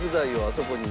そこに